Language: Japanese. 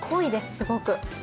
すごく。